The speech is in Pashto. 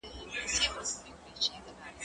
زه به سبا موسيقي اورم وم؟!